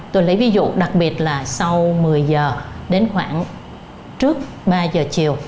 tôi lấy ví dụ đặc biệt là sau một mươi giờ đến khoảng trước ba giờ chiều